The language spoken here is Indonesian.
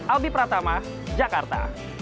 albi pratama jakarta